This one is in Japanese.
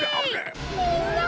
みんな！